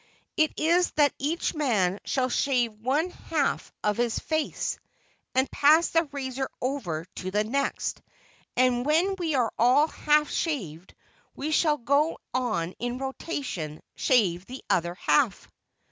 "It is that each man shall shave one half of his face, and pass the razor over to the next, and when we are all half shaved we shall go on in rotation and shave the other half."